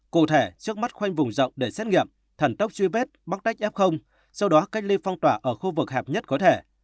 cụ thể trước mắt khoanh vùng rộng để xét nghiệm thần tốc truy vết mắc tách f sau đó cách ly phong tỏa ở khu vực hẹp nhất có thể